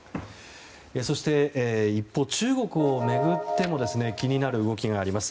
そして、一方中国を巡っても気になる動きがあります。